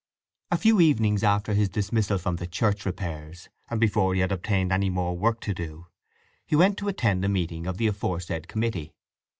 A few evenings after his dismissal from the church repairs, and before he had obtained any more work to do, he went to attend a meeting of the aforesaid committee.